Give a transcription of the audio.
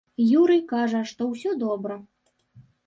Юрый кажа, што ўсё добра.